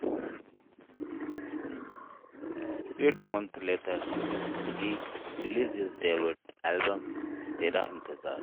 Eight months later, he released his debut album "Tera Intezar".